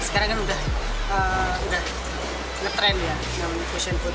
sekarang kan udah ngetrend ya menu fusion putih